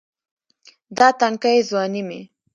دا تنکے ځواني مې